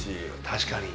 確かに。